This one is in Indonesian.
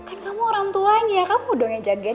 kan kamu orang tuanya kamu dong yang jagain